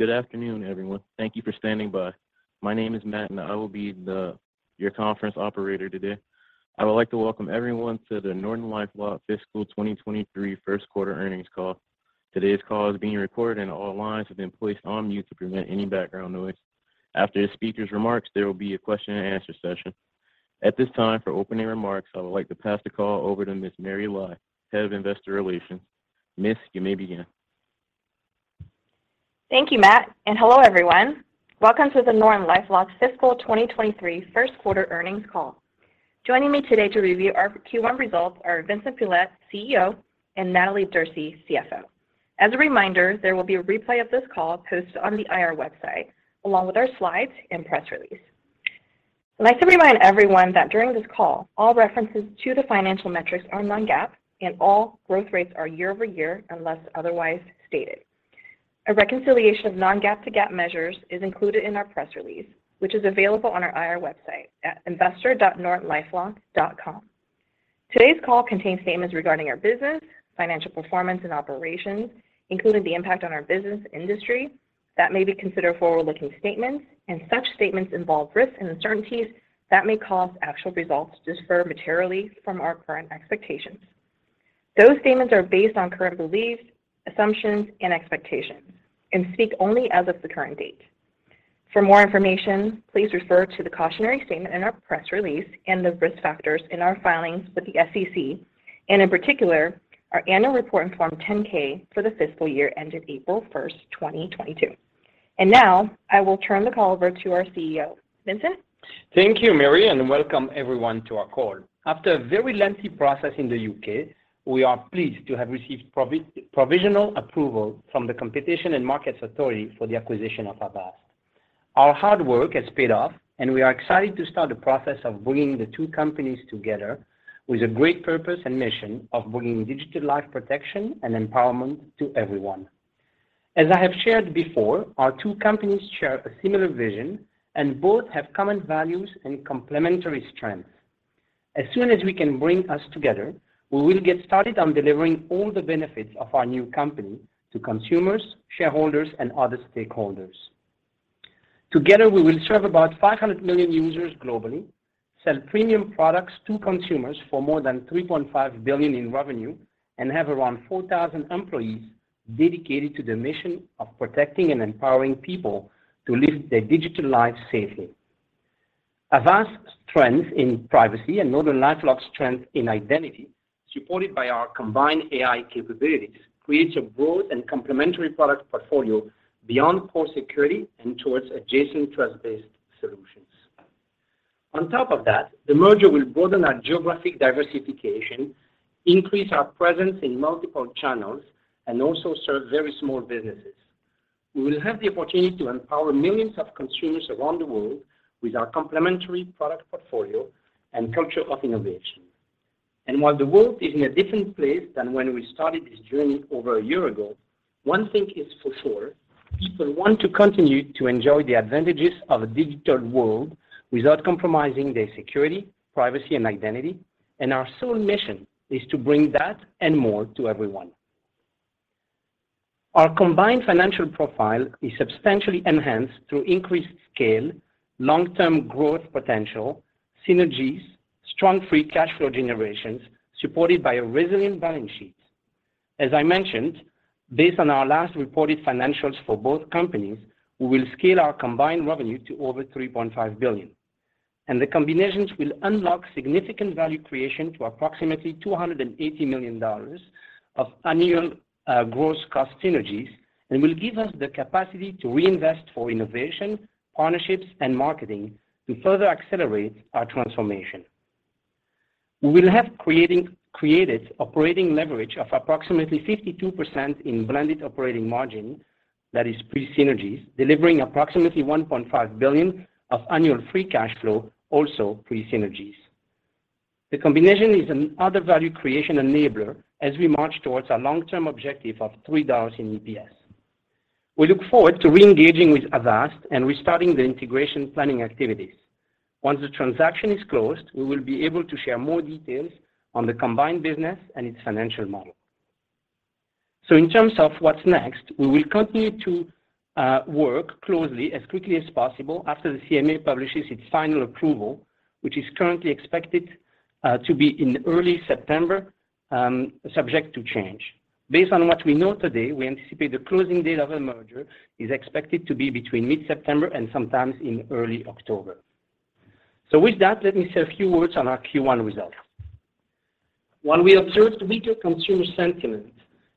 Good afternoon, everyone. Thank you for standing by. My name is Matt, and I will be your conference operator today. I would like to welcome everyone to the NortonLifeLock Fiscal 2023 first quarter earnings call. Today's call is being recorded, and all lines have been placed on mute to prevent any background noise. After the speaker's remarks, there will be a question-and-answer session. At this time, for opening remarks, I would like to pass the call over to Ms. Mary Lai, Head of Investor Relations. Miss, you may begin. Thank you, Matt, and hello, everyone. Welcome to the Gen Digital Fiscal 2023 first quarter earnings call. Joining me today to review our Q1 results are Vincent Pilette, CEO, and Natalie Derse, CFO. As a reminder, there will be a replay of this call posted on the IR website, along with our slides and press release. I'd like to remind everyone that during this call, all references to the financial metrics are non-GAAP, and all growth rates are year-over-year unless otherwise stated. A reconciliation of non-GAAP to GAAP measures is included in our press release, which is available on our IR website at investor.gendigital.com. Today's call contains statements regarding our business, financial performance, and operations, including the impact on our business industry that may be considered forward-looking statements, and such statements involve risks and uncertainties that may cause actual results to differ materially from our current expectations. Those statements are based on current beliefs, assumptions, and expectations and speak only as of the current date. For more information, please refer to the cautionary statement in our press release and the risk factors in our filings with the SEC, and in particular, our annual report and Form 10-K for the fiscal year ended April 1st, 2022. Now, I will turn the call over to our CEO. Vincent? Thank you, Mary, and welcome everyone to our call. After a very lengthy process in the U.K., we are pleased to have received provisional approval from the Competition and Markets Authority for the acquisition of Avast. Our hard work has paid off, and we are excited to start the process of bringing the two companies together with a great purpose and mission of bringing digital life protection and empowerment to everyone. As I have shared before, our two companies share a similar vision, and both have common values and complementary strengths. As soon as we can bring us together, we will get started on delivering all the benefits of our new company to consumers, shareholders, and other stakeholders. Together, we will serve about 500 million users globally, sell premium products to consumers for more than $3.5 billion in revenue, and have around 4,000 employees dedicated to the mission of protecting and empowering people to live their digital life safely. Avast's strength in privacy and NortonLifeLock's strength in identity, supported by our combined AI capabilities, creates a broad and complementary product portfolio beyond core security and towards adjacent trust-based solutions. On top of that, the merger will broaden our geographic diversification, increase our presence in multiple channels, and also serve very small businesses. We will have the opportunity to empower millions of consumers around the world with our complementary product portfolio and culture of innovation. While the world is in a different place than when we started this journey over a year ago, one thing is for sure, people want to continue to enjoy the advantages of a digital world without compromising their security, privacy, and identity. Our sole mission is to bring that and more to everyone. Our combined financial profile is substantially enhanced through increased scale, long-term growth potential, synergies, strong free cash flow generations, supported by a resilient balance sheet. As I mentioned, based on our last reported financials for both companies, we will scale our combined revenue to over $3.5 billion. The combinations will unlock significant value creation to approximately $280 million of annual gross cost synergies and will give us the capacity to reinvest for innovation, partnerships, and marketing to further accelerate our transformation. We will have created operating leverage of approximately 52% in blended operating margin, that is pre-synergies, delivering approximately $1.5 billion of annual free cash flow, also pre-synergies. The combination is another value creation enabler as we march towards our long-term objective of $3 in EPS. We look forward to re-engaging with Avast and restarting the integration planning activities. Once the transaction is closed, we will be able to share more details on the combined business and its financial model. In terms of what's next, we will continue to work closely as quickly as possible after the CMA publishes its final approval, which is currently expected to be in early September, subject to change. Based on what we know today, we anticipate the closing date of the merger is expected to be between mid-September and sometime in early October. With that, let me say a few words on our Q1 results. While we observed weaker consumer sentiment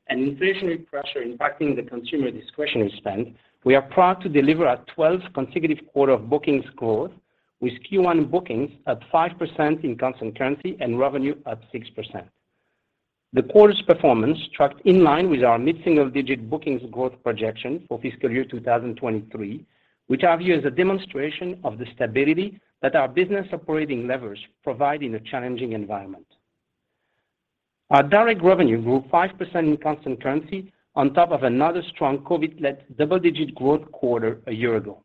and inflationary pressure impacting the consumer discretionary spend, we are proud to deliver a 12 consecutive quarter of bookings growth with Q1 bookings at 5% in constant currency and revenue at 6%. The quarter's performance tracked in line with our mid-single-digit bookings growth projection for fiscal year 2023, which I view as a demonstration of the stability that our business operating levers provide in a challenging environment. Our direct revenue grew 5% in constant currency on top of another strong COVID-led double-digit growth quarter a year ago.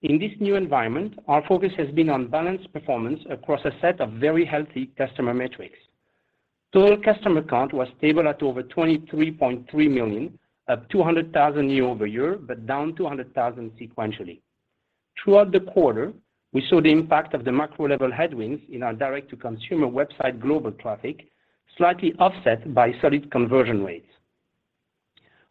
In this new environment, our focus has been on balanced performance across a set of very healthy customer metrics. Total customer count was stable at over 23.3 million, up 200,000 year-over-year, but down 200,000 sequentially. Throughout the quarter, we saw the impact of the macro level headwinds in our direct-to-consumer website global traffic, slightly offset by solid conversion rates.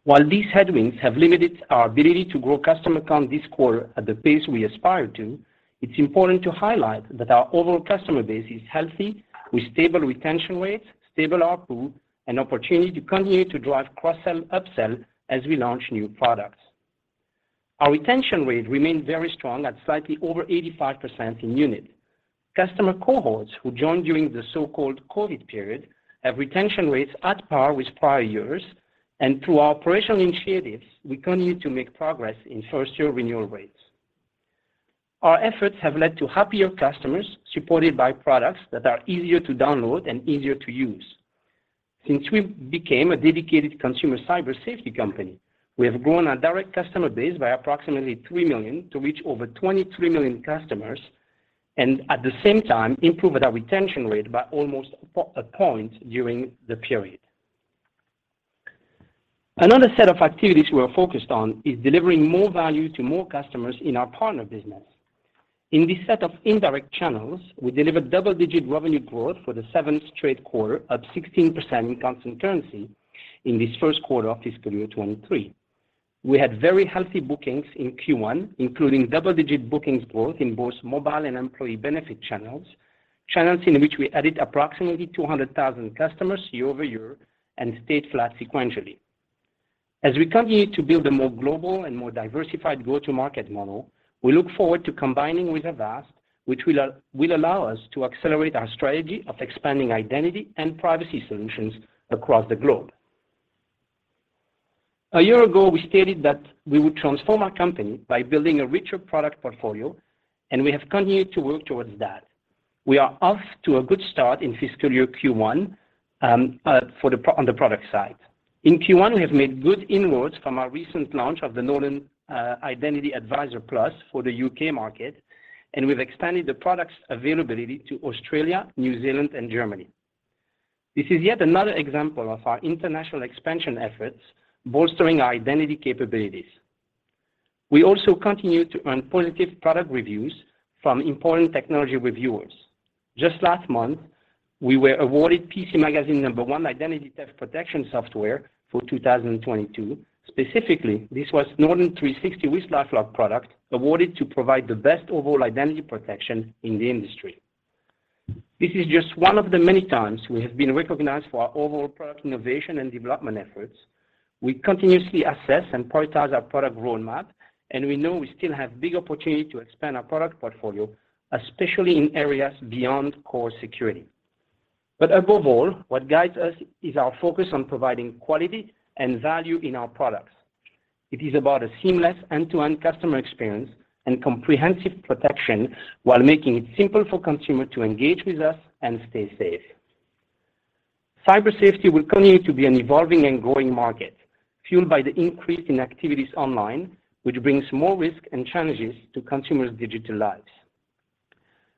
While these headwinds have limited our ability to grow customer count this quarter at the pace we aspire to, it's important to highlight that our overall customer base is healthy with stable retention rates, stable ARPU, and opportunity to continue to drive cross-sell and upsell as we launch new products. Our retention rate remained very strong at slightly over 85% in unit. Customer cohorts who joined during the so-called COVID period have retention rates at par with prior years, and through our operational initiatives, we continue to make progress in first-year renewal rates. Our efforts have led to happier customers supported by products that are easier to download and easier to use. Since we became a dedicated consumer cyber safety company, we have grown our direct customer base by approximately 3 million to reach over 23 million customers and at the same time, improved our retention rate by almost a point during the period. Another set of activities we are focused on is delivering more value to more customers in our partner business. In this set of indirect channels, we delivered double-digit revenue growth for the seventh straight quarter of 16% in constant currency in this first quarter of fiscal year 2023. We had very healthy bookings in Q1, including double-digit bookings growth in both mobile and employee benefit channels in which we added approximately 200,000 customers year-over-year and stayed flat sequentially. As we continue to build a more global and more diversified go-to-market model, we look forward to combining with Avast, which will allow us to accelerate our strategy of expanding identity and privacy solutions across the globe. A year ago, we stated that we would transform our company by building a richer product portfolio, and we have continued to work towards that. We are off to a good start in fiscal year Q1, on the product side. In Q1, we have made good inroads from our recent launch of the Norton Identity Advisor Plus for the U.K. market, and we've expanded the product's availability to Australia, New Zealand, and Germany. This is yet another example of our international expansion efforts bolstering our identity capabilities. We also continue to earn positive product reviews from important technology reviewers. Just last month, we were awarded PC Magazine number one identity theft protection software for 2022. Specifically, this was Norton 360 with LifeLock product awarded to provide the best overall identity protection in the industry. This is just one of the many times we have been recognized for our overall product innovation and development efforts. We continuously assess and prioritize our product roadmap, and we know we still have big opportunity to expand our product portfolio, especially in areas beyond core security. Above all, what guides us is our focus on providing quality and value in our products. It is about a seamless end-to-end customer experience and comprehensive protection while making it simple for consumer to engage with us and stay safe. Cyber safety will continue to be an evolving and growing market, fueled by the increase in activities online, which brings more risk and challenges to consumers' digital lives.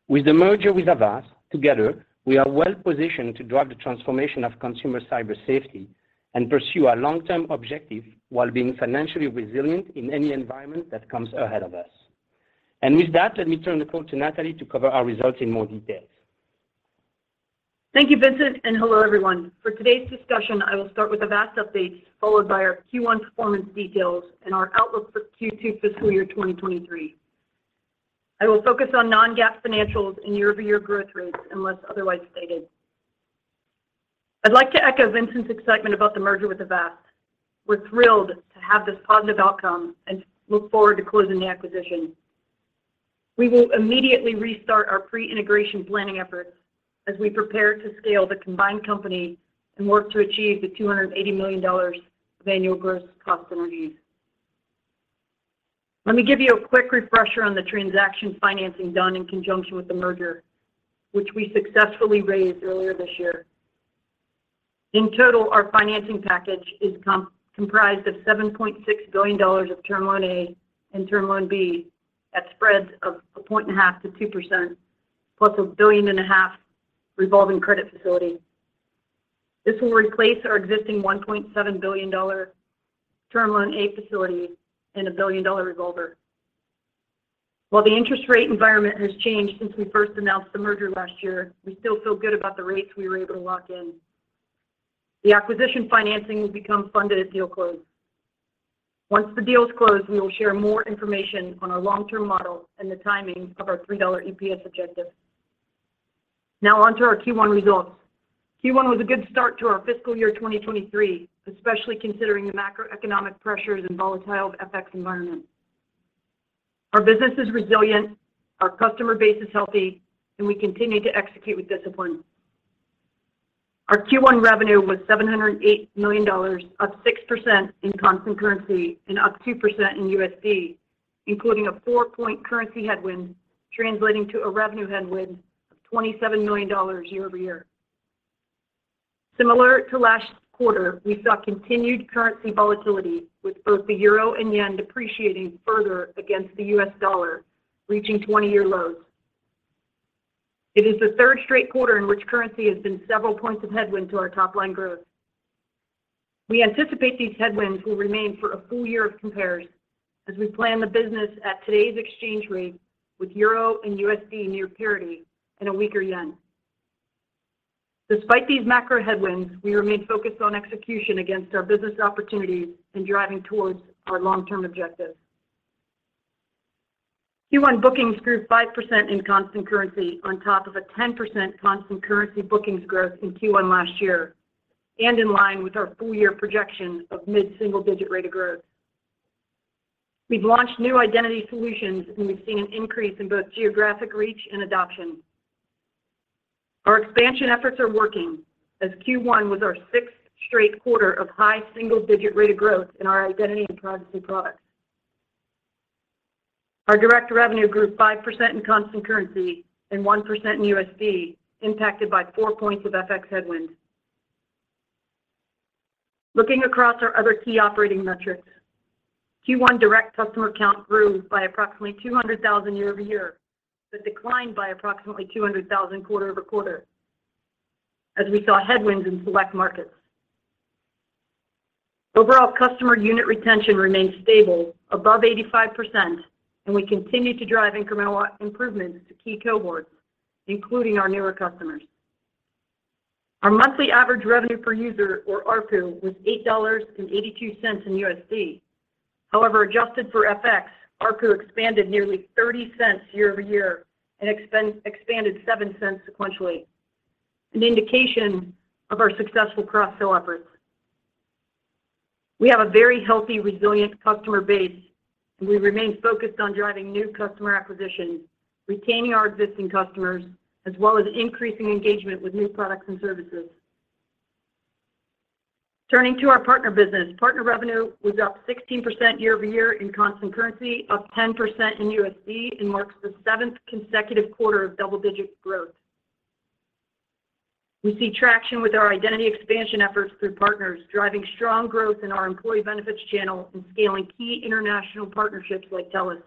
With the merger with Avast, together, we are well-positioned to drive the transformation of consumer cyber safety and pursue our long-term objective while being financially resilient in any environment that comes ahead of us. With that, let me turn the call to Natalie to cover our results in more details. Thank you, Vincent Pilette, and hello, everyone. For today's discussion, I will start with Avast updates, followed by our Q1 performance details and our outlook for Q2 fiscal year 2023. I will focus on non-GAAP financials and year-over-year growth rates unless otherwise stated. I'd like to echo Vincent Pilette's excitement about the merger with Avast. We're thrilled to have this positive outcome and look forward to closing the acquisition. We will immediately restart our pre-integration planning efforts as we prepare to scale the combined company and work to achieve the $280 million of annual gross cost synergies. Let me give you a quick refresher on the transaction financing done in conjunction with the merger, which we successfully raised earlier this year. In total, our financing package is comprised of $7.6 billion of Term Loan A and Term Loan B at spreads of 1.5%-2%, plus $1.5 billion revolving credit facility. This will replace our existing $1.7 billion Term Loan A facility and $1 billion revolver. While the interest rate environment has changed since we first announced the merger last year, we still feel good about the rates we were able to lock in. The acquisition financing will become funded at deal close. Once the deal is closed, we will share more information on our long-term model and the timing of our $3 EPS objective. Now, onto our Q1 results. Q1 was a good start to our fiscal year 2023, especially considering the macroeconomic pressures and volatile FX environment. Our business is resilient, our customer base is healthy, and we continue to execute with discipline. Our Q1 revenue was $708 million, up 6% in constant currency and up 2% in USD, including a four-point currency headwind translating to a revenue headwind of $27 million year-over-year. Similar to last quarter, we saw continued currency volatility with both the euro and yen depreciating further against the U.S. dollar, reaching 20-year lows. It is the third straight quarter in which currency has been several points of headwind to our top line growth. We anticipate these headwinds will remain for a full year of compares as we plan the business at today's exchange rate with euro and USD near parity and a weaker yen. Despite these macro headwinds, we remain focused on execution against our business opportunities and driving towards our long-term objectives. Q1 bookings grew 5% in constant currency on top of a 10% constant currency bookings growth in Q1 last year, and in line with our full year projection of mid-single digit rate of growth. We've launched new identity solutions, and we've seen an increase in both geographic reach and adoption. Our expansion efforts are working as Q1 was our sixth straight quarter of high single-digit rate of growth in our identity and privacy products. Our direct revenue grew 5% in constant currency and 1% in USD, impacted by four points of FX headwinds. Looking across our other key operating metrics, Q1 direct customer count grew by approximately 200,000 year-over-year, but declined by approximately 200,000 quarter-over-quarter as we saw headwinds in select markets. Overall customer unit retention remains stable above 85%, and we continue to drive incremental improvements to key cohorts, including our newer customers. Our monthly average revenue per user or ARPU was $8.82 in USD. However, adjusted for FX, ARPU expanded nearly $0.30 year-over-year and expanded $0.07 Sequentially, an indication of our successful cross-sell efforts. We have a very healthy, resilient customer base, and we remain focused on driving new customer acquisition, retaining our existing customers, as well as increasing engagement with new products and services. Turning to our partner business. Partner revenue was up 16% year-over-year in constant currency, up 10% in USD, and marks the seventh consecutive quarter of double-digit growth. We see traction with our identity expansion efforts through partners, driving strong growth in our employee benefits channel and scaling key international partnerships like Telus.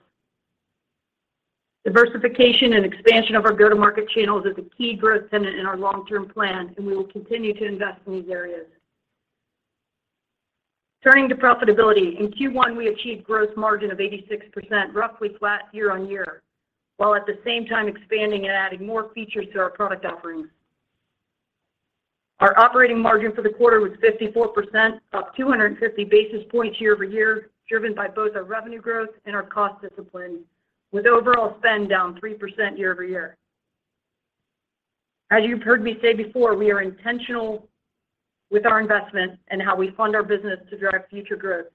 Diversification and expansion of our go-to-market channels is a key growth tenet in our long-term plan, and we will continue to invest in these areas. Turning to profitability. In Q1, we achieved gross margin of 86%, roughly flat year-over-year, while at the same time expanding and adding more features to our product offerings. Our operating margin for the quarter was 54%, up 250 basis points year-over-year, driven by both our revenue growth and our cost discipline. With overall spend down 3% year-over-year. As you've heard me say before, we are intentional with our investments and how we fund our business to drive future growth.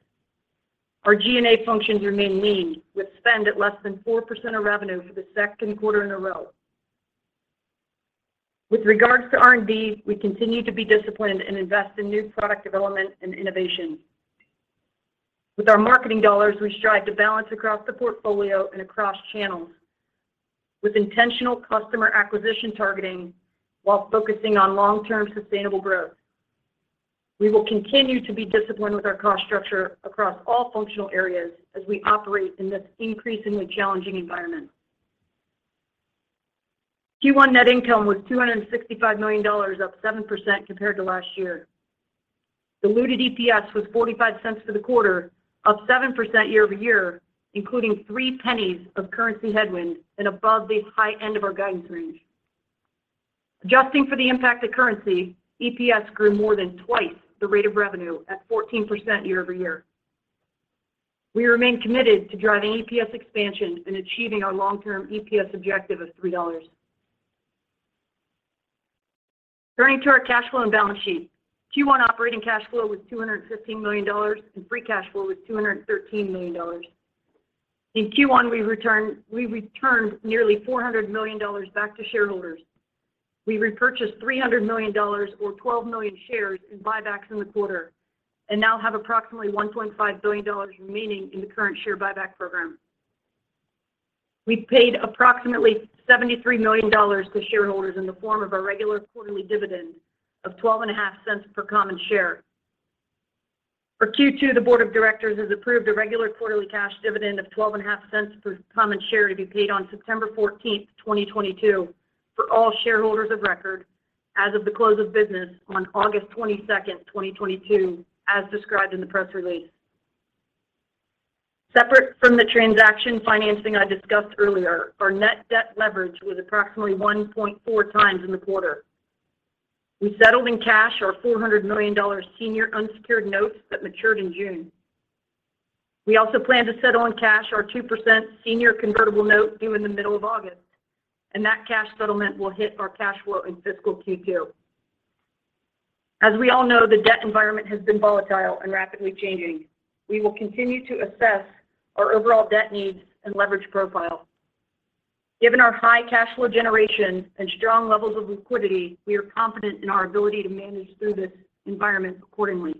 Our G&A functions remain lean with spend at less than 4% of revenue for the second quarter in a row. With regard to R&D, we continue to be disciplined and invest in new product development and innovation. With our marketing dollars, we strive to balance across the portfolio and across channels with intentional customer acquisition targeting while focusing on long-term sustainable growth. We will continue to be disciplined with our cost structure across all functional areas as we operate in this increasingly challenging environment. Q1 net income was $265 million, up 7% compared to last year. Diluted EPS was $0.45 for the quarter, up 7% year-over-year, including three pennies of currency headwind and above the high end of our guidance range. Adjusting for the impact of currency, EPS grew more than twice the rate of revenue at 14% year-over-year. We remain committed to driving EPS expansion and achieving our long-term EPS objective of $3. Turning to our cash flow and balance sheet. Q1 operating cash flow was $215 million, and free cash flow was $213 million. In Q1, we returned nearly $400 million back to shareholders. We repurchased $300 million or 12 million shares in buybacks in the quarter and now have approximately $1.5 billion remaining in the current share buyback program. We paid approximately $73 million to shareholders in the form of our regular quarterly dividend of $0.125 per common share. For Q2, the board of directors has approved a regular quarterly cash dividend of $0.125 per common share to be paid on September 14th, 2022 for all shareholders of record as of the close of business on August 22nd, 2022, as described in the press release. Separate from the transaction financing I discussed earlier, our net debt leverage was approximately 1.4x in the quarter. We settled in cash our $400 million senior unsecured notes that matured in June. We also plan to settle in cash our 2% senior convertible note due in the middle of August, and that cash settlement will hit our cash flow in fiscal Q2. As we all know, the debt environment has been volatile and rapidly changing. We will continue to assess our overall debt needs and leverage profile. Given our high cash flow generation and strong levels of liquidity, we are confident in our ability to manage through this environment accordingly.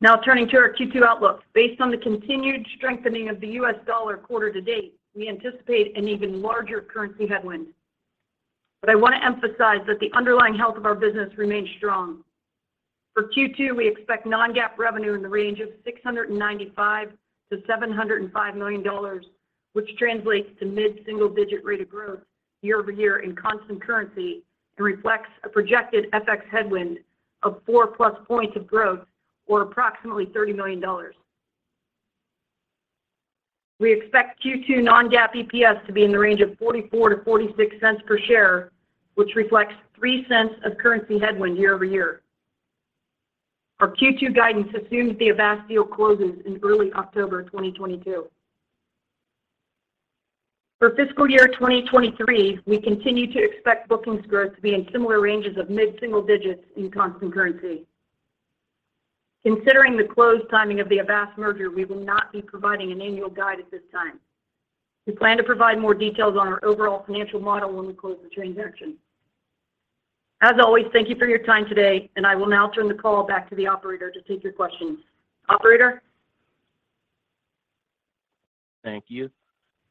Now turning to our Q2 outlook. Based on the continued strengthening of the U.S. dollar quarter-to-date, we anticipate an even larger currency headwind. I want to emphasize that the underlying health of our business remains strong. For Q2, we expect non-GAAP revenue in the range of $695 million-$705 million, which translates to mid-single-digit rate of growth year-over-year in constant currency and reflects a projected FX headwind of 4+ points of growth or approximately $30 million. We expect Q2 non-GAAP EPS to be in the range of $0.44-$0.46 per share, which reflects $0.03 of currency headwind year-over-year. Our Q2 guidance assumes the Avast deal closes in early October 2022. For fiscal year 2023, we continue to expect bookings growth to be in similar ranges of mid-single digits in constant currency. Considering the close timing of the Avast merger, we will not be providing an annual guide at this time. We plan to provide more details on our overall financial model when we close the transaction. As always, thank you for your time today, and I will now turn the call back to the operator to take your questions. Operator? Thank you.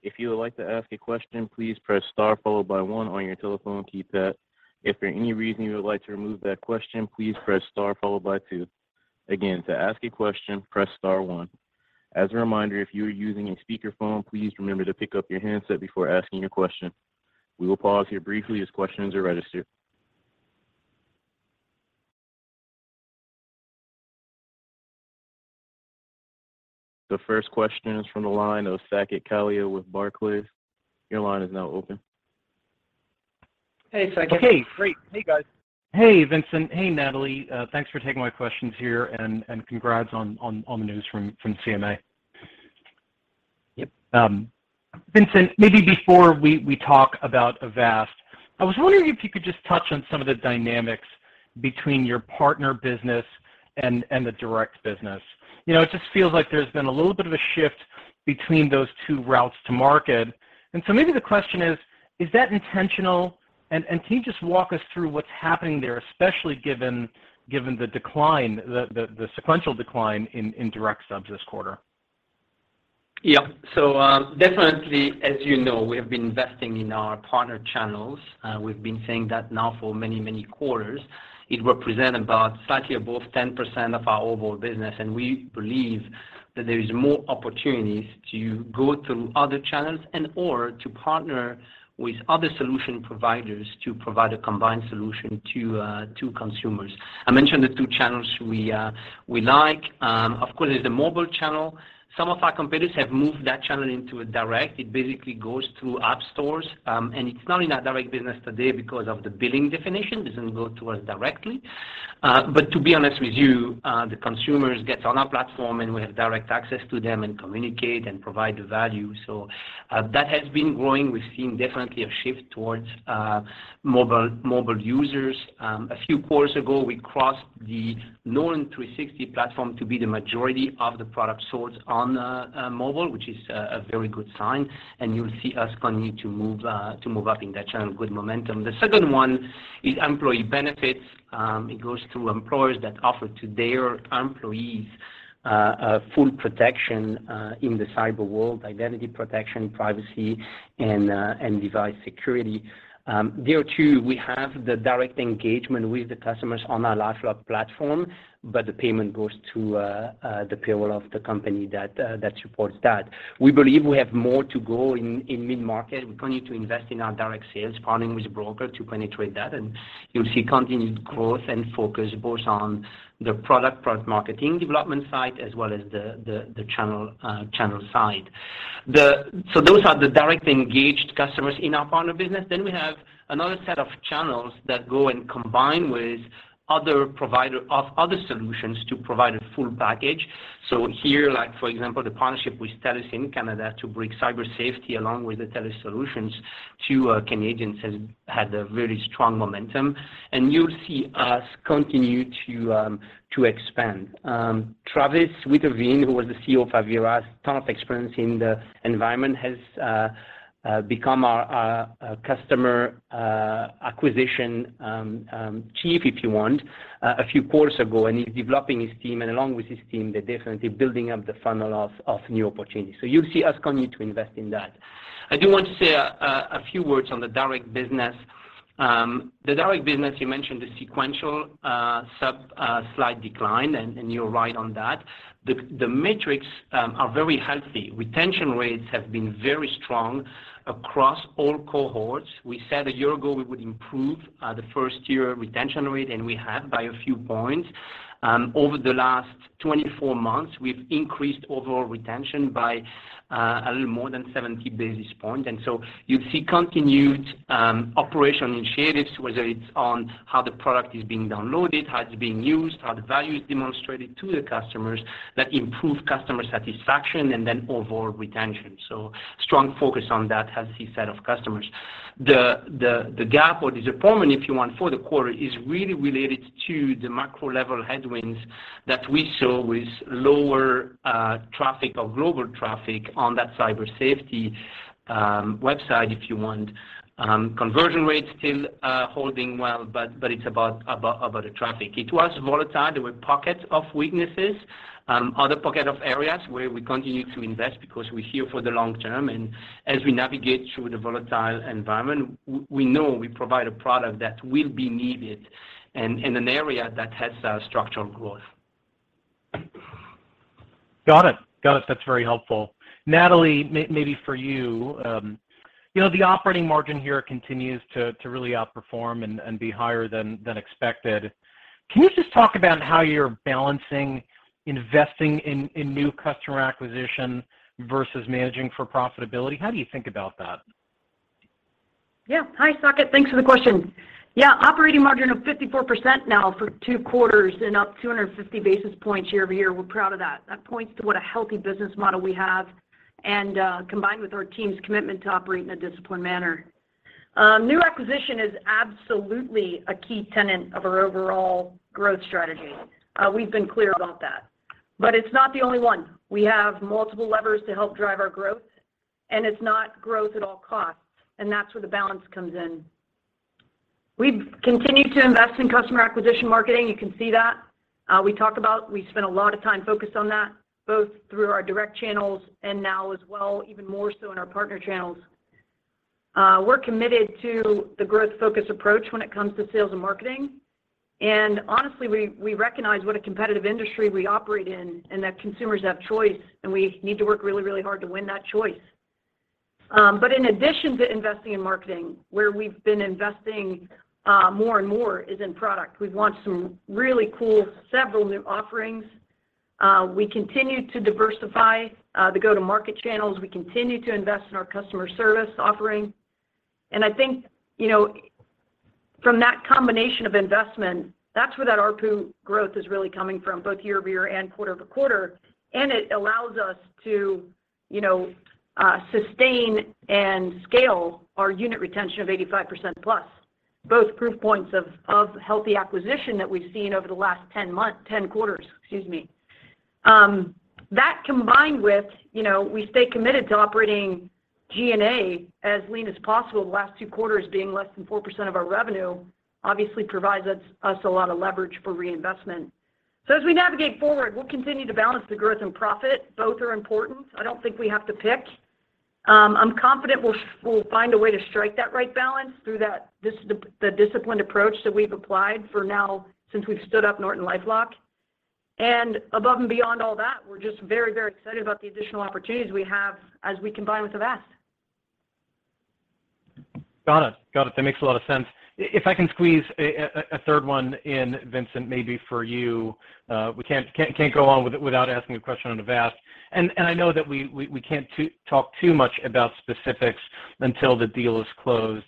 If you would like to ask a question, please press star followed by one on your telephone keypad. If for any reason you would like to remove that question, please press star followed by two. Again, to ask a question, press star one. As a reminder, if you are using a speakerphone, please remember to pick up your handset before asking your question. We will pause here briefly as questions are registered. The first question is from the line of Saket Kalia with Barclays. Your line is now open. Hey, Saket. Okay, great. Hey, guys. Hey, Vincent. Hey, Natalie. Thanks for taking my questions here, and congrats on the news from CMA. Yep. Vincent, maybe before we talk about Avast, I was wondering if you could just touch on some of the dynamics between your partner business and the direct business. You know, it just feels like there's been a little bit of a shift between those two routes to market. Maybe the question is that intentional? Can you just walk us through what's happening there, especially given the decline, the sequential decline in direct subs this quarter? Yeah. Definitely, as you know, we have been investing in our partner channels. We've been saying that now for many quarters. It represent about slightly above 10% of our overall business, and we believe that there is more opportunities to go through other channels and/or to partner with other solution providers to provide a combined solution to consumers. I mentioned the two channels we like. Of course, there's the mobile channel. Some of our competitors have moved that channel into a direct. It basically goes through app stores, and it's not in our direct business today because of the billing definition. It doesn't go to us directly. But to be honest with you, the consumers get on our platform, and we have direct access to them and communicate and provide the value. That has been growing. We're seeing definitely a shift towards mobile users. A few quarters ago, we crossed the Norton 360 platform to be the majority of the product sold on mobile, which is a very good sign, and you'll see us continue to move up in that channel. Good momentum. The second one is employee benefits. It goes to employers that offer to their employees full protection in the cyber world, identity protection, privacy, and device security. There too, we have the direct engagement with the customers on our LifeLock platform, but the payment goes to the payroll of the company that supports that. We believe we have more to go in mid-market. We continue to invest in our direct sales, partnering with broker to penetrate that, and you'll see continued growth and focus both on the product marketing development side as well as the channel side. Those are the direct engaged customers in our partner business. We have another set of channels that go and combine with other provider of other solutions to provide a full package. Here, like for example, the partnership with Telus in Canada to bring cyber safety along with the Telus solutions to Canadians has had a very strong momentum, and you'll see us continue to expand. Travis Witteveen, who was the CEO of Avira, a ton of experience in the environment, has become our customer acquisition chief, if you want, a few quarters ago, and he's developing his team, and along with his team, they're definitely building up the funnel of new opportunities. You'll see us continue to invest in that. I do want to say a few words on the direct business. The direct business, you mentioned the sequential slight decline, and you're right on that. The metrics are very healthy. Retention rates have been very strong across all cohorts. We said a year ago we would improve the first-year retention rate, and we have by a few points. Over the last 24 months, we've increased overall retention by a little more than 70 basis points. You'd see continued operational initiatives, whether it's on how the product is being downloaded, how it's being used, how the value is demonstrated to the customers that improve customer satisfaction and then overall retention. Strong focus on that healthy set of customers. The gap or the disappointment, if you want, for the quarter is really related to the macro level headwinds that we saw with lower traffic or global traffic on that cyber safety website, if you want, conversion rates still holding well, but it's about the traffic. It was volatile. There were pockets of weaknesses, other pocket of areas where we continue to invest because we're here for the long term, and as we navigate through the volatile environment, we know we provide a product that will be needed and in an area that has structural growth. Got it. That's very helpful. Natalie, maybe for you know, the operating margin here continues to really outperform and be higher than expected. Can you just talk about how you're balancing investing in new customer acquisition versus managing for profitability? How do you think about that? Yeah. Hi, Saket. Thanks for the question. Yeah. Operating margin of 54% now for 2 quarters and up 250 basis points year-over-year, we're proud of that. That points to what a healthy business model we have and combined with our team's commitment to operating in a disciplined manner. New acquisition is absolutely a key tenet of our overall growth strategy. We've been clear about that, but it's not the only one. We have multiple levers to help drive our growth, and it's not growth at all costs, and that's where the balance comes in. We've continued to invest in customer acquisition marketing. You can see that. We talked about we spent a lot of time focused on that, both through our direct channels and now as well, even more so in our partner channels. We're committed to the growth-focused approach when it comes to sales and marketing. Honestly, we recognize what a competitive industry we operate in and that consumers have choice, and we need to work really, really hard to win that choice. In addition to investing in marketing, where we've been investing, more and more is in product. We've launched some really cool several new offerings. We continue to diversify the go-to-market channels. We continue to invest in our customer service offering. I think, you know, from that combination of investment, that's where that ARPU growth is really coming from both year-over-year and quarter-over-quarter. It allows us to, you know, sustain and scale our unit retention of 85% plus, both proof points of healthy acquisition that we've seen over the last 10 quarters. That combined with, you know, we stay committed to operating G&A as lean as possible. The last two quarters being less than 4% of our revenue obviously provides us a lot of leverage for reinvestment. As we navigate forward, we'll continue to balance the growth and profit. Both are important. I don't think we have to pick. I'm confident we'll find a way to strike that right balance through the disciplined approach that we've applied for now since we've stood up NortonLifeLock. Above and beyond all that, we're just very, very excited about the additional opportunities we have as we combine with Avast. Got it. That makes a lot of sense. If I can squeeze a third one in, Vincent, maybe for you, we can't go on without asking a question on Avast. I know that we can't talk too much about specifics until the deal is closed.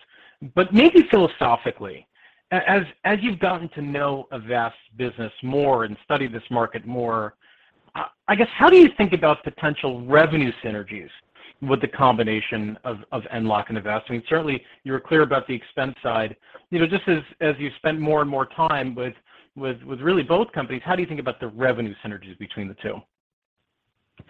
Maybe philosophically, as you've gotten to know Avast business more and study this market more, I guess how do you think about potential revenue synergies with the combination of NortonLifeLock and Avast? I mean, certainly you're clear about the expense side. You know, just as you spend more and more time with really both companies, how do you think about the revenue synergies between the two?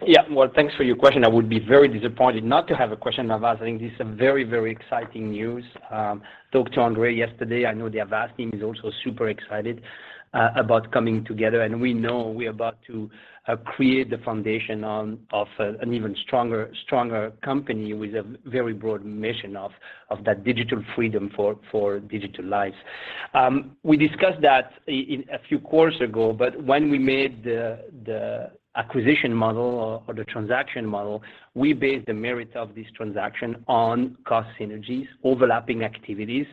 Yeah. Well, thanks for your question. I would be very disappointed not to have a question on Avast. I think this is a very, very exciting news. Talked to Ondrej yesterday. I know the Avast team is also super excited about coming together, and we know we're about to create the foundation of an even stronger company with a very broad mission of that digital freedom for digital lives. We discussed that in a few quarters ago, but when we made the acquisition model or the transaction model, we based the merit of this transaction on cost synergies, overlapping activities,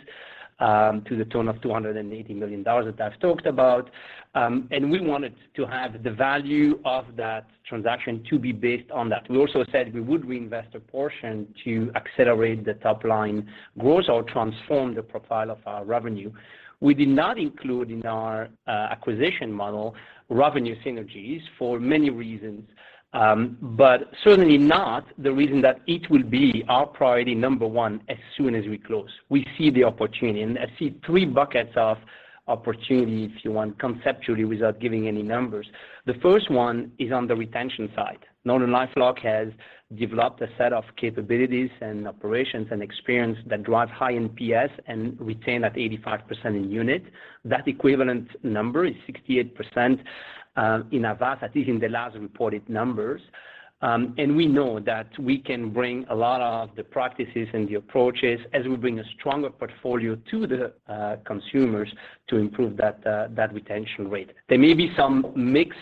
to the tune of $280 million that I've talked about, and we wanted to have the value of that transaction to be based on that. We also said we would reinvest a portion to accelerate the top line growth or transform the profile of our revenue. We did not include in our acquisition model revenue synergies for many reasons, but certainly not the reason that it will be our priority number one as soon as we close. We see the opportunity, and I see three buckets of opportunity, if you want, conceptually without giving any numbers. The first one is on the retention side. NortonLifeLock has developed a set of capabilities and operations and experience that drive high NPS and retain at 85% in unit. That equivalent number is 68% in Avast, at least in the last reported numbers. We know that we can bring a lot of the practices and the approaches as we bring a stronger portfolio to the consumers to improve that retention rate. There may be some mix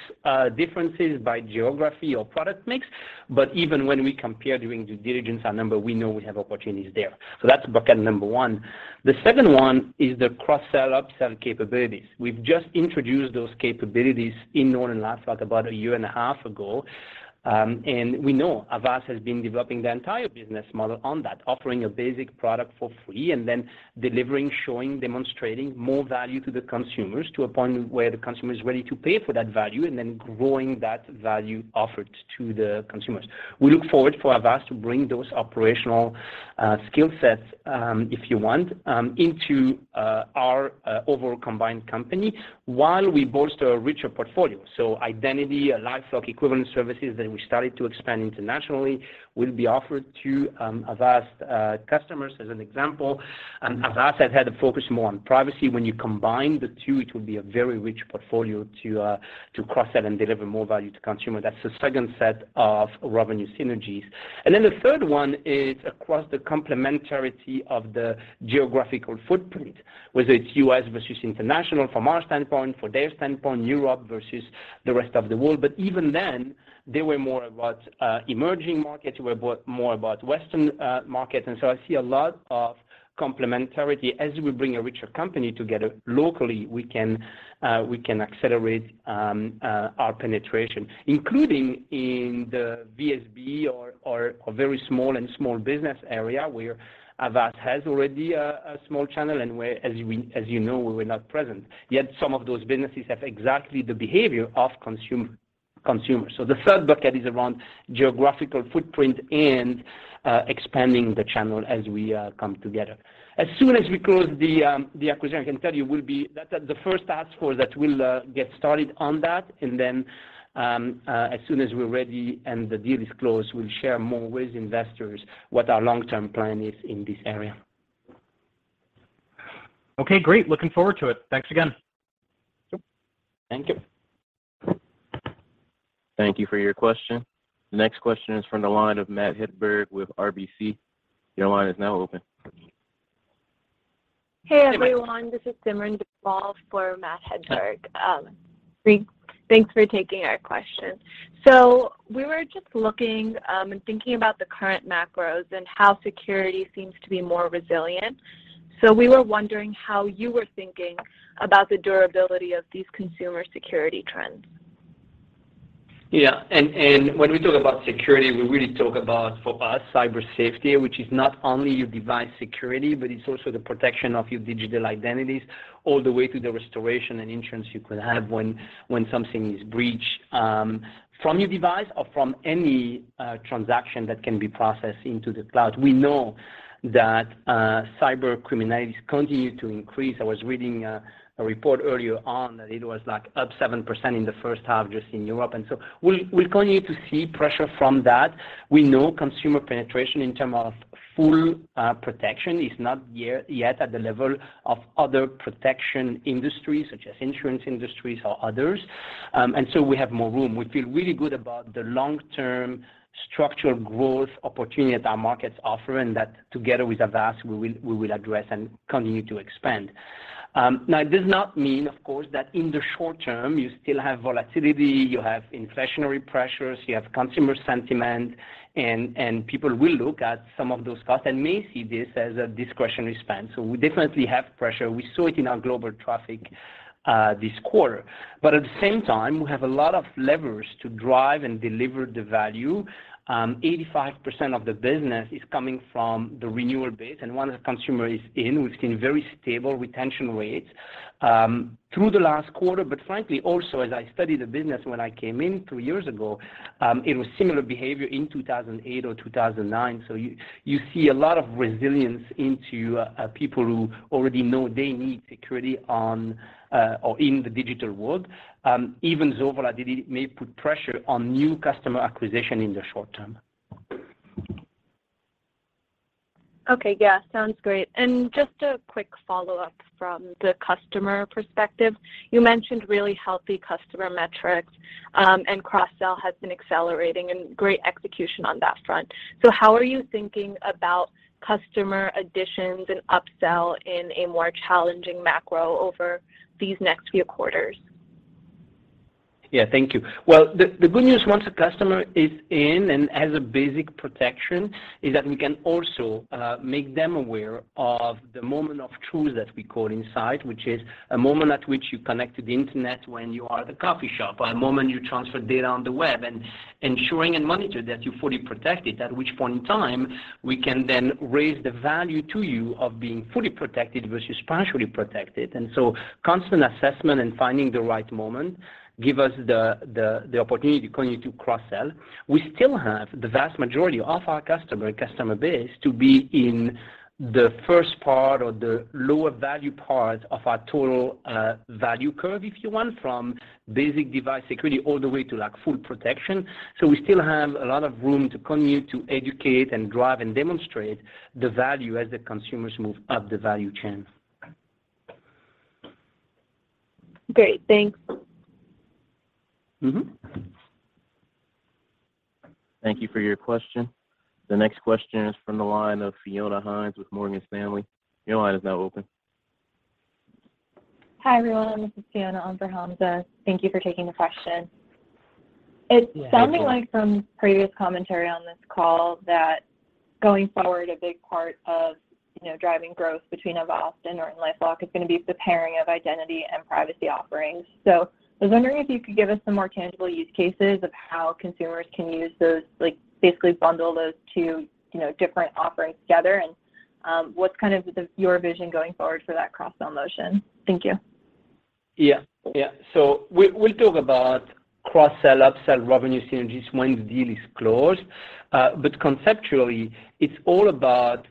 differences by geography or product mix, but even when we compare during due diligence our number, we know we have opportunities there. That's bucket number one. The second one is the cross-sell, up-sell capabilities. We've just introduced those capabilities in NortonLifeLock about a year and a half ago, and we know Avast has been developing their entire business model on that, offering a basic product for free and then delivering, showing, demonstrating more value to the consumers to a point where the consumer is ready to pay for that value, and then growing that value offered to the consumers. We look forward to Avast to bring those operational skill sets, if you want, into our overall combined company while we bolster a richer portfolio. Identity, a LifeLock equivalent services that we started to expand internationally will be offered to Avast customers as an example. Avast has had a focus more on privacy. When you combine the two, it will be a very rich portfolio to cross-sell and deliver more value to consumers. That's the second set of revenue synergies. The third one is across the complementarity of the geographical footprint, whether it's U.S. versus international from our standpoint, from their standpoint, Europe versus the rest of the world. Even then, they were more about emerging markets. We're more about Western markets. I see a lot of complementarity. As we bring a richer company together locally, we can accelerate our penetration, including in the VSB or a very small and small business area where Avast has already a small channel and where, as you know, we were not present. Yet some of those businesses have exactly the behavior of consumer. The third bucket is around geographical footprint and expanding the channel as we come together. As soon as we close the acquisition, I can tell you we'll be that the first task force that will get started on that, and then, as soon as we're ready and the deal is closed, we'll share more with investors what our long-term plan is in this area. Okay, great. Looking forward to it. Thanks again. Sure. Thank you. Thank you for your question. The next question is from the line of Matt Hedberg with RBC. Your line is now open. Hey, everyone. Hey, Matt. This is Simran Biswal for Matt Hedberg. Thanks for taking our question. We were just looking and thinking about the current macros and how security seems to be more resilient. We were wondering how you were thinking about the durability of these consumer security trends. Yeah. When we talk about security, we really talk about, for us, cyber safety, which is not only your device security, but it's also the protection of your digital identities all the way to the restoration and insurance you can have when something is breached, from your device or from any transaction that can be processed into the cloud. We know that cybercrime continues to increase. I was reading a report earlier on that it was like up 7% in the first half just in Europe. We'll continue to see pressure from that. We know consumer penetration in terms of full protection is not yet at the level of other protection industries, such as insurance industries or others. We have more room. We feel really good about the long-term structural growth opportunity that our markets offer, and that together with Avast, we will address and continue to expand. Now, it does not mean, of course, that in the short term, you still have volatility, you have inflationary pressures, you have consumer sentiment, and people will look at some of those costs and may see this as a discretionary spend. We definitely have pressure. We saw it in our global traffic this quarter. At the same time, we have a lot of levers to drive and deliver the value. 85% of the business is coming from the renewal base. Once a consumer is in, we've seen very stable retention rates through the last quarter. Frankly, also, as I studied the business when I came in two years ago, it was similar behavior in 2008 or 2009. You see a lot of resilience into people who already know they need security on or in the digital world, even though volatility may put pressure on new customer acquisition in the short term. Okay. Yeah. Sounds great. Just a quick follow-up from the customer perspective. You mentioned really healthy customer metrics, and cross-sell has been accelerating and great execution on that front. How are you thinking about customer additions and upsell in a more challenging macro over these next few quarters? Yeah. Thank you. Well, the good news once a customer is in and has a basic protection is that we can also make them aware of the moment of truth that we call inside, which is a moment at which you connect to the internet when you are at the coffee shop or a moment you transfer data on the web, and ensuring and monitor that you're fully protected, at which point in time we can then raise the value to you of being fully protected versus partially protected. Constant assessment and finding the right moment give us the opportunity to continue to cross-sell. We still have the vast majority of our customer base to be in the first part or the lower value part of our total value curve, if you want, from basic device security all the way to like full protection. We still have a lot of room to continue to educate and drive and demonstrate the value as the consumers move up the value chain. Great. Thanks. Mm-hmm. Thank you for your question. The next question is from the line of Fiona Hynes with Morgan Stanley. Your line is now open. Hi, everyone. This is Fiona on for Hamza. Thank you for taking the question. Yeah. Thank you. It's sounding like from previous commentary on this call that going forward, a big part of, you know, driving growth between Avast and NortonLifeLock is gonna be the pairing of identity and privacy offerings. I was wondering if you could give us some more tangible use cases of how consumers can use those, like basically bundle those two, you know, different offerings together, and what's kind of your vision going forward for that cross-sell motion? Thank you. Yeah. We'll talk about cross-sell, upsell revenue synergies when the deal is closed. Conceptually, it's all about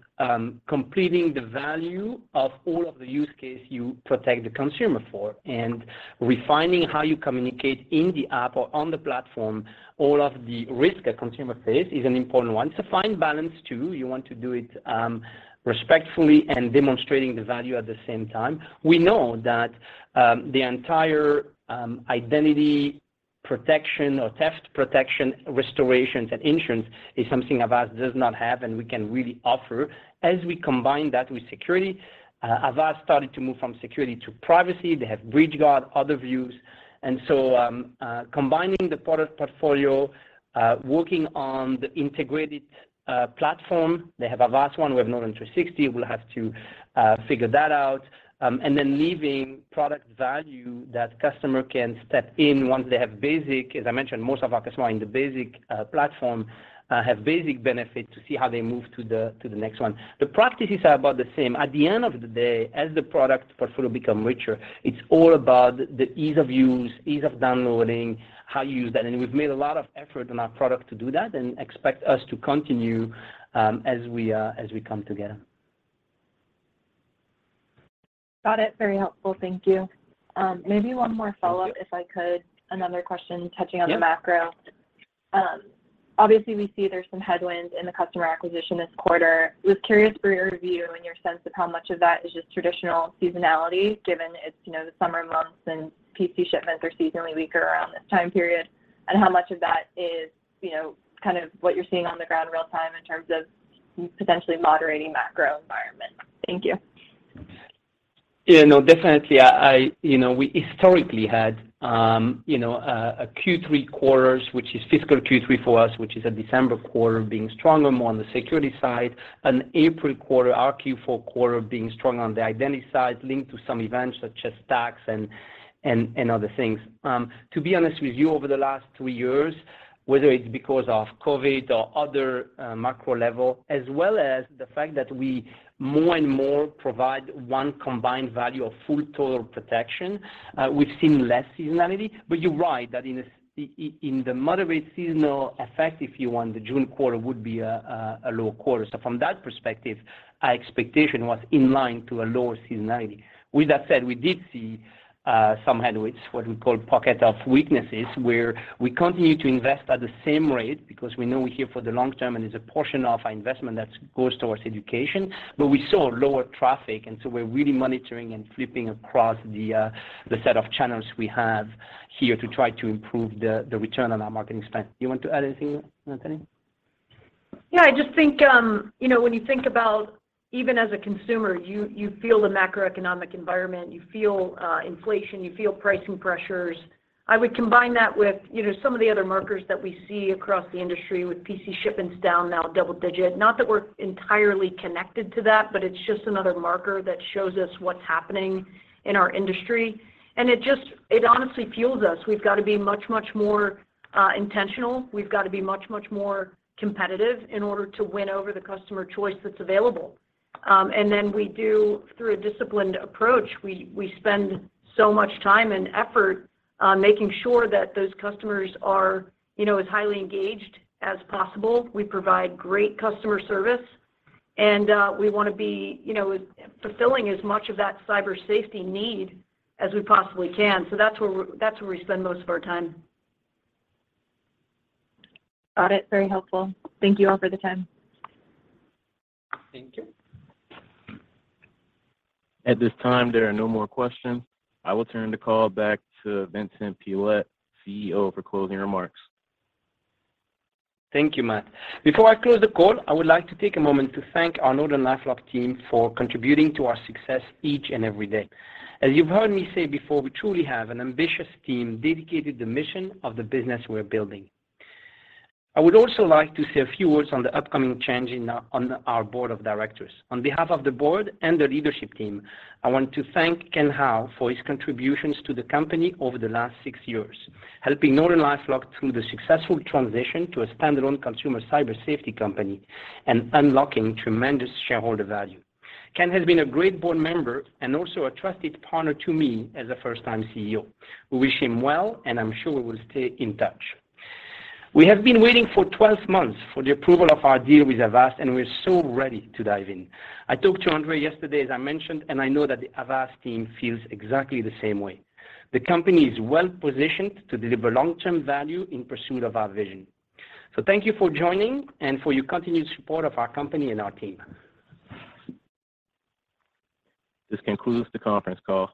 completing the value of all of the use case you protect the consumer for and refining how you communicate in the app or on the platform all of the risk a consumer faces, an important one. It's a fine balance too. You want to do it respectfully and demonstrating the value at the same time. We know that the entire identity protection or theft protection, restorations and insurance is something Avast does not have, and we can really offer as we combine that with security. Avast started to move from security to privacy. They have BreachGuard, other views, and combining the product portfolio, working on the integrated platform. They have Avast One, we have Norton 360. We'll have to figure that out and then leveraging product value that customer can step up once they have basic. As I mentioned, most of our customers in the basic platform have basic benefit to see how they move to the next one. The practices are about the same. At the end of the day, as the product portfolio become richer, it's all about the ease of use, ease of downloading, how you use that, and we've made a lot of effort on our product to do that and expect us to continue as we come together. Got it. Very helpful. Thank you. Maybe one more follow-up. Thank you. If I could. Another question touching on Yeah. Obviously, we see there's some headwinds in the customer acquisition this quarter. Was curious for your review and your sense of how much of that is just traditional seasonality given it's, you know, the summer months and PC shipments are seasonally weaker around this time period, and how much of that is, you know, kind of what you're seeing on the ground real time in terms of potentially moderating macro environment. Thank you. Yeah, no, definitely. You know, we historically had a Q3 quarters, which is fiscal Q3 for us, which is a December quarter being stronger more on the security side, an April quarter, our Q4 quarter being strong on the identity side linked to some events such as tax and other things. To be honest with you, over the last two years, whether it's because of COVID or other macro level, as well as the fact that we more and more provide one combined value of full total protection, we've seen less seasonality. You're right that in the moderate seasonal effect, if you want, the June quarter would be a low quarter. From that perspective, our expectation was in line to a lower seasonality. With that said, we did see some headwinds, what we call pocket of weaknesses, where we continue to invest at the same rate because we know we're here for the long term and there's a portion of our investment that's towards education, but we saw lower traffic, and so we're really monitoring and flipping across the set of channels we have here to try to improve the return on our marketing spend. Do you want to add anything, Natalie? Yeah. I just think, you know, when you think about even as a consumer, you feel the macroeconomic environment, you feel inflation, you feel pricing pressures. I would combine that with, you know, some of the other markers that we see across the industry with PC shipments down now double-digit. Not that we're entirely connected to that, but it's just another marker that shows us what's happening in our industry. It honestly fuels us. We've got to be much, much more intentional. We've got to be much, much more competitive in order to win over the customer choice that's available. We do through a disciplined approach. We spend so much time and effort making sure that those customers are, you know, as highly engaged as possible. We provide great customer service, and we wanna be, you know, fulfilling as much of that cyber safety need as we possibly can. That's where we spend most of our time. Got it. Very helpful. Thank you all for the time. Thank you. At this time, there are no more questions. I will turn the call back to Vincent Pilette, CEO, for closing remarks. Thank you, Matt. Before I close the call, I would like to take a moment to thank our NortonLifeLock team for contributing to our success each and every day. As you've heard me say before, we truly have an ambitious team dedicated to the mission of the business we're building. I would also like to say a few words on the upcoming change in our board of directors. On behalf of the board and the leadership team, I want to thank Ken Hao for his contributions to the company over the last six years, helping NortonLifeLock through the successful transition to a standalone consumer cyber safety company and unlocking tremendous shareholder value. Ken has been a great board member and also a trusted partner to me as a first-time CEO. We wish him well, and I'm sure we will stay in touch. We have been waiting for 12 months for the approval of our deal with Avast, and we're so ready to dive in. I talked to Ondrej yesterday, as I mentioned, and I know that the Avast team feels exactly the same way. The company is well positioned to deliver long-term value in pursuit of our vision. Thank you for joining and for your continued support of our company and our team. This concludes the conference call.